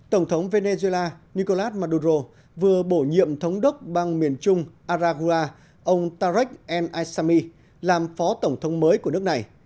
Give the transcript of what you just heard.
tổng thống venezuela nicolas maduro vừa bổ nhiệm thống đốc bang miền trung aragua ông tarek el asami làm phó tổng thống mới của nước này